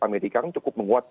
amerika kan cukup menguat